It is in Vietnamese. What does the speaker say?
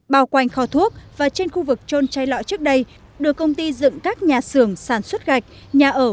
bào quanh kho thuốc và trên khu vực trôn chay lọ trước đây được công ty dựng các nhà xưởng sản xuất gạch nhà ở